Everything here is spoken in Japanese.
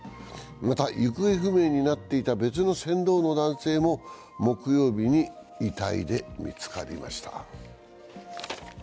また、行方不明になっていた別の船頭の男性も、木曜日に遺体で見つかりました。